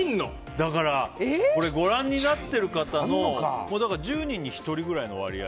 ご覧になってる方の１０人に１人くらいの割合。